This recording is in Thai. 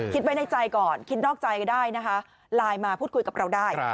คิดไว้ในใจก่อนคิดนอกใจก็ได้นะคะไลน์มาพูดคุยกับเราได้